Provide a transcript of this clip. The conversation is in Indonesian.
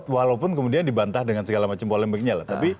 walaupun kemudian dibantah dengan segala macam polemiknya lah